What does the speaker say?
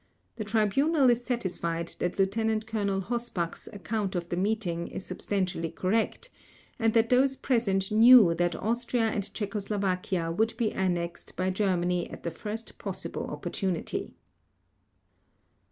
The Tribunal is satisfied that Lieutenant Colonel Hossbach's account of the meeting is substantially correct, and that those present knew that Austria and Czechoslovakia would be annexed by Germany at the first possible opportunity.